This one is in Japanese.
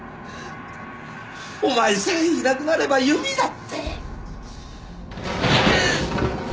お前さえいなくなれば由美だって！